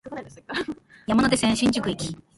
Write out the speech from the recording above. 山手線、新宿駅